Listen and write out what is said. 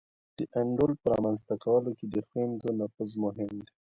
د انډول په رامنځته کولو کي د خویندو نفوذ مهم دی.